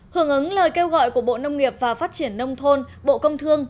hưởng ứng lời kêu gọi của bộ nông nghiệp và phát triển nông thôn bộ công thương